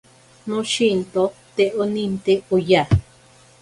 Noshinto te oninte oya.